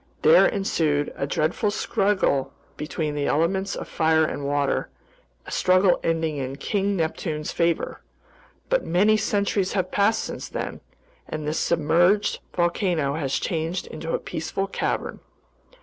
There ensued a dreadful struggle between the elements of fire and water, a struggle ending in King Neptune's favor. But many centuries have passed since then, and this submerged volcano has changed into a peaceful cavern."